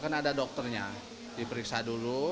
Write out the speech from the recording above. karena ada dokternya diperiksa dulu